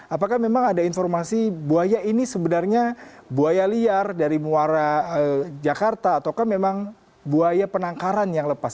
apakah memang ada informasi buaya ini sebenarnya buaya liar dari muara jakarta ataukah memang buaya penangkaran yang lepas